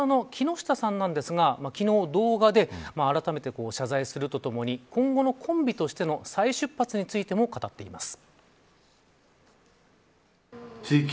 一方の相方の木下さんなんですが昨日、動画であらためて謝罪するとともに今後のコンビとしての再出発についても語っています。